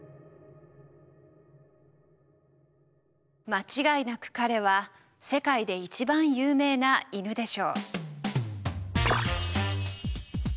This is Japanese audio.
間違いなく彼は世界で一番有名な犬でしょう。